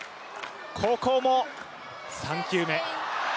ここも３球目。